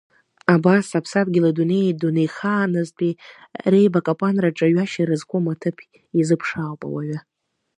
Абас, аԥсадгьыли адунеии дунеихааназтәи реибакапанраҿы ҩашьара зқәым аҭыԥ изыԥшаауп ауаҩы.